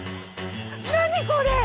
何これ！？